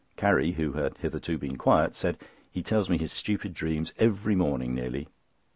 Carrie, who had hitherto been quiet, said: "He tells me his stupid dreams every morning nearly."